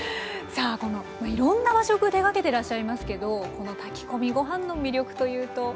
さあいろんな和食手がけてらっしゃいますけどこの炊き込みご飯の魅力というと。